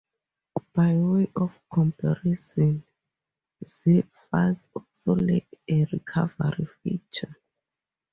By way of comparison, zip files also lack a recovery feature.